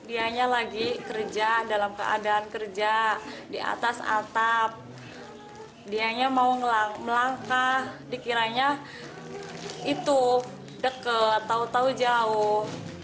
itu deket tau tau jauh